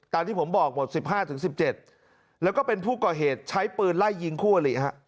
ที่ผมบอกหมด๑๕๑๗แล้วก็เป็นผู้ก่อเหตุใช้ปืนไล่ยิงคู่อลิฮะ